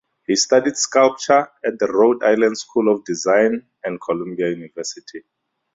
He studied sculpture at the Rhode Island School of Design and Columbia University.